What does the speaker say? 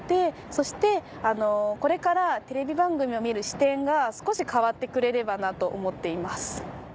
そしてこれからテレビ番組を見る視点が少し変わってくれればなと思っています。